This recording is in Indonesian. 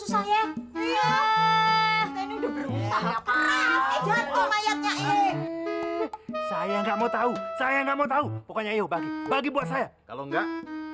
susah ya ya saya nggak mau tahu saya nggak mau tahu pokoknya bagi bagi buat saya kalau nggak